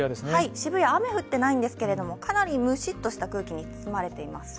渋谷は雨は降っていないんですけれども、かなり蒸しっとした空気に包まれています。